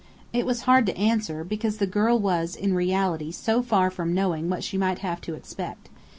It was hard to answer, because the girl was in reality so far from knowing what she might have to expect.